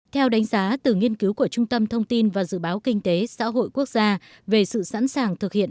theo đánh giá từ nghiên cứu của trung tâm thông tin và dự báo kinh tế xã hội quốc gia về sự sẵn sàng thực hiện